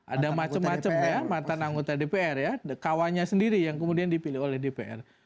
ada macam macam ya mantan anggota dpr ya kawannya sendiri yang kemudian dipilih oleh dpr